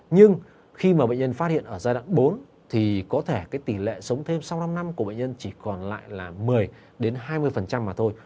nhưng khi mà bệnh nhân phát hiện ở giai đoạn bốn thì có thể cái tỷ lệ sống thêm sau năm năm của bệnh nhân chỉ còn lại là một mươi hai mươi mà thôi